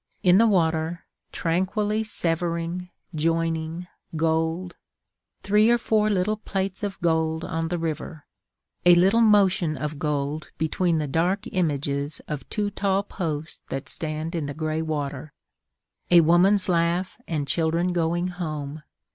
In the water, tranquilly severing, joining, gold: Three or four little plates of gold on the river: A little motion of gold between the dark images Of two tall posts that stand in the grey water. A woman's laugh and children going home.